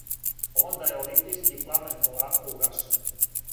Онда је олимпијски пламен полако угашен.